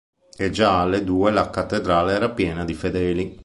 E già alle due la Cattedrale era piena di fedeli.